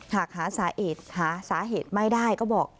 หากหาสาเหตุหาสาเหตุไม่ได้ก็บอก